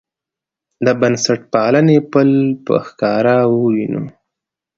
د بنسټپالنې پل په ښکاره ووینو.